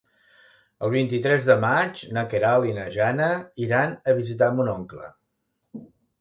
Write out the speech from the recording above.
El vint-i-tres de maig na Queralt i na Jana iran a visitar mon oncle.